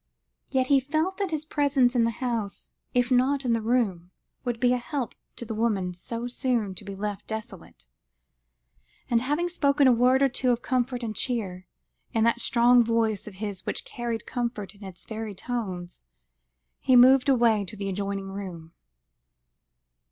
Yet he felt that his presence in the house, if not in the room, would be a help to the woman so soon to be left desolate; and, having spoken a word or two of comfort and cheer, in that strong voice of his which carried comfort in its very tones, he moved away to the adjoining room.